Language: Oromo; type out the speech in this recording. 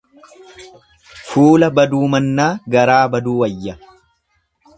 Fuula baduu mannaa garaa baduu wayya.